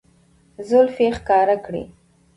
زلفې يې ښکاره کړې